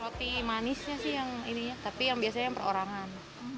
roti manisnya sih yang ini ya tapi yang biasanya yang perorangan